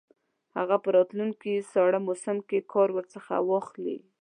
هغه په راتلونکي ساړه موسم کې کار ورڅخه واخلي.